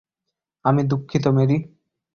আমি দুঃখিত, মেরি।